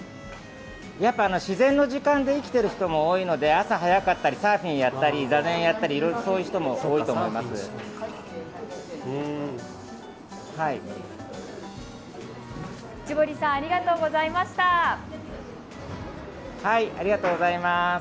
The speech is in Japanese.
自然の時間で生きている人も多いので朝早かったりサーフィンやったり座禅やったりという人も多いです。